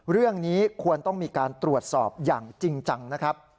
เรื่องนี้ควรต้องมีการตรวจสอบอย่างจริงจังนะครับ